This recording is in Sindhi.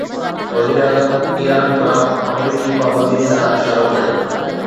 وزيراعظم ايران خلاف آمريڪي پابندين ڏانهن اشارو ڪيو